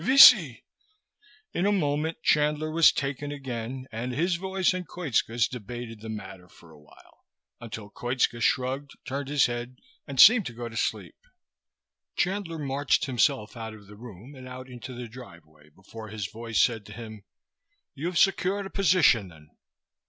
Ve see." In a moment Chandler was taken again, and his voice and Koitska's debated the matter for a while, until Koitska shrugged, turned his head and seemed to go to sleep. Chandler marched himself out of the room and out into the driveway before his voice said to him: "You've secured a position, then.